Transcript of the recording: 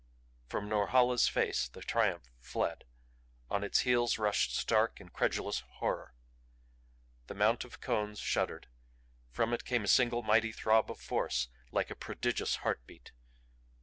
From Norhala's face the triumph fled. On its heels rushed stark, incredulous horror. The Mount of Cones shuddered. From it came a single mighty throb of force like a prodigious heart beat.